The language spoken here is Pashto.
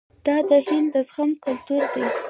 دا د هند د زغم کلتور دی.